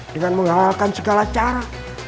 dengan menghalalkan segala cara